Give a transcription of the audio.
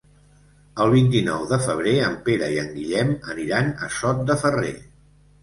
El vint-i-nou de febrer en Pere i en Guillem aniran a Sot de Ferrer.